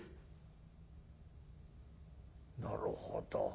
なるほど。